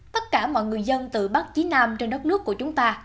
tất cả mọi người dân từ bắc chí nam trên đất nước của chúng ta